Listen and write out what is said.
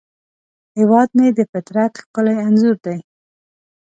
هیواد مې د فطرت ښکلی انځور دی